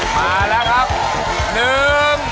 มาแล้วครับหนึ่ง